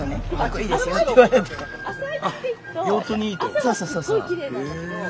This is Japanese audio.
そうそうそうそう。